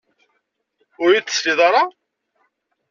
Ur yi-d-tesliḍ ara?